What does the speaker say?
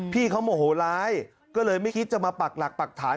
พี่เขาโมโหร้ายก็เลยไม่คิดจะมาปักหลักปรักฐาน